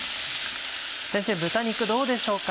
先生豚肉どうでしょうか。